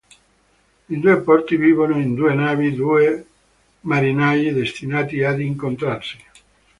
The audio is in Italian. In due porti vivono in due navi due marinai destinati ad incontrarsi.